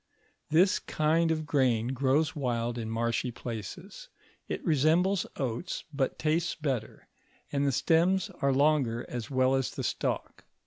This kind of grain grows wild in marshy places : it resembles oats, but tastes better, and the stems are longer as well as the stalk.